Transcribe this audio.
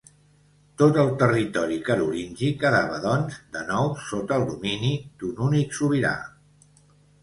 Tot el territori carolingi quedava, doncs, de nou sota el domini d'un únic sobirà.